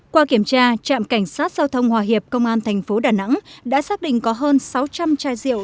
qua kiểm tra trạm cảnh sát giao thông hòa hiệp công an thành phố đà nẵng đã xác định có hơn sáu trăm linh chai rượu